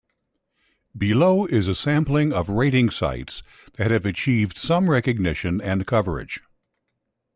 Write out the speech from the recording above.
Below is a sampling of rating sites that have achieved some recognition and coverage.